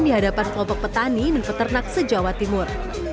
di hadapan kelompok petani dan peternak sejawa timur